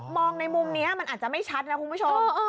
มองในมุมนี้อาจไม่ชัดนะคุณผู้ชม